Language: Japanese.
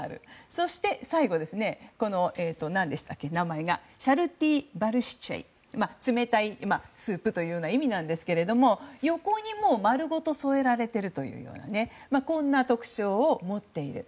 そして最後のシャルティバルシチェイ冷たいスープという意味ですが横に丸ごと添えられているようなこんな特徴を持っている。